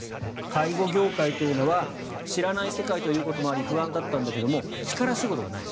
介護業界というのは知らない世界ということもあり不安だったんだけれども力仕事がない。